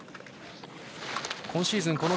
今シーズン